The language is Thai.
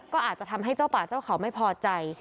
ก็อาจจะทำให้เจ้าป่าเจ้าเขาไม่พอใจ